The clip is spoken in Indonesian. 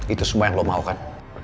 itu semua yang lo mau kan